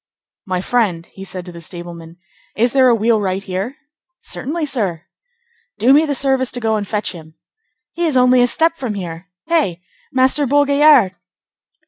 "My friend," he said to the stableman, "is there a wheelwright here?" "Certainly, sir." "Do me the service to go and fetch him." "He is only a step from here. Hey! Master Bourgaillard!"